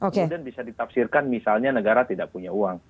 kemudian bisa ditafsirkan misalnya negara tidak punya uang